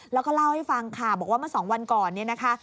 แล้วก็เล่าให้ฟังค่ะบอกว่าเมื่อสองวันก่อนเนี่ยนะคะ